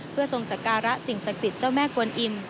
เพื่อทรงสการะสิ่งศักดิ์สิทธิ์เจ้าแม่กวนอิ่ม